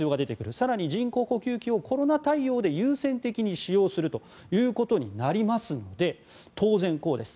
更に、人工呼吸器をコロナ対応で優先的に使用するということになりますので当然、こうです。